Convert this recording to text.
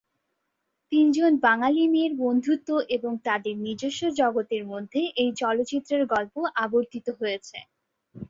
তিনজন বাঙালি মেয়ের বন্ধুত্ব এবং তাদের নিজস্ব জগতের মধ্যে এই চলচ্চিত্রের গল্প আবর্তিত হয়েছে।